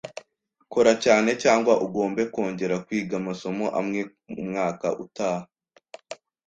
Kora cyane, cyangwa ugomba kongera kwiga amasomo amwe umwaka utaha